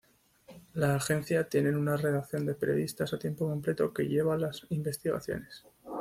La agencia tienen una redacción de periodistas a tiempo completo que lleva las investigaciones.